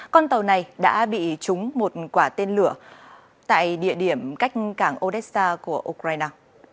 con tàu này đã bị trúng một quả tên lửa tại địa điểm cách cảng odessa của ukraine